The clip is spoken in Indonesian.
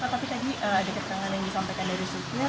pak tapi tadi ada pertanyaan yang disampaikan dari sikir